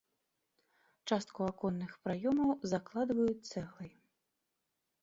Частку аконных праёмаў закладваюць цэглай.